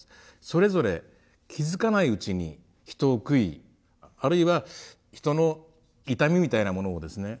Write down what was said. それぞれ気付かないうちに人を食いあるいは人の痛みみたいなものをですね